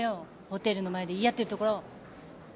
ホテルの前で言い合ってるところ。